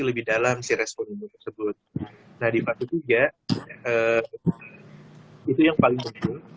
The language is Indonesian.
lebih dalam si respon itu tersebut nah di fase tiga itu yang paling penting